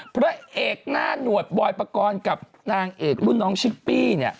พระเอกหน้าหนวดบอยปกรณ์กับนางเอกรุ่นน้องชิปปี้เนี่ย